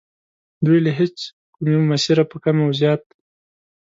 دوی له هیچ کوم مسیره په کم و زیات.